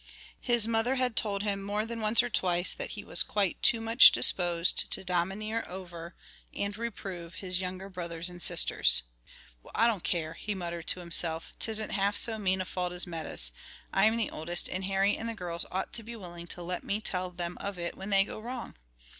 His mother had told him more than once or twice, that he was quite too much disposed to domineer over, and reprove his younger brother and sisters. "Well, I don't care!" he muttered to himself, "'tisn't half so mean a fault as Meta's. I'm the oldest, and Harry and the girls ought to be willing to let me tell them of it when they go wrong."